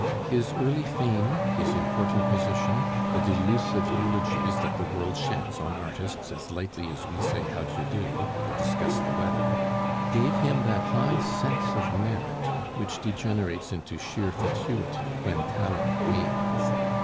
His early fame, his important position, the delusive eulogies that the world sheds on artists as lightly as we say, "How d'ye do?" or discuss the weather, gave him that high sense of merit which degenerates into sheer fatuity when talent wanes.